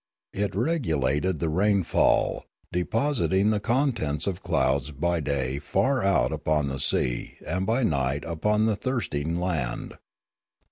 It regu lated the rainfall, depositing the contents of clouds by day far out upon the sea and by night upon the thirst ing land.